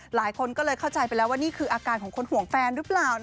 หลายคนก็เลยเข้าใจไปแล้วว่านี่คืออาการของคนห่วงแฟนหรือเปล่า